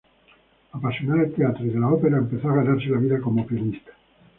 Apasionada del teatro y de la ópera, empezó a ganarse la vida como pianista.